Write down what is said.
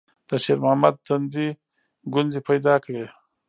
د شېرمحمد تندي ګونځې پيدا کړې.